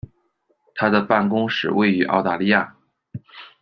它的办公室位于澳大利亚。